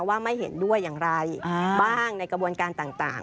ว่าไม่เห็นด้วยอย่างไรบ้างในกระบวนการต่าง